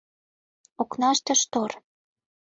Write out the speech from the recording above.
Окнаште — штор